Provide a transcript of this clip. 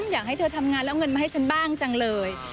อยากให้เธอทำงานแล้วเงินมาให้ฉันบ้างจังเลย